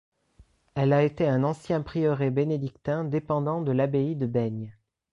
Elle a été un ancien prieuré bénédictin dépendant de l'abbaye de Baignes.